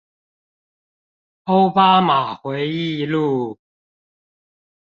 歐巴馬回憶錄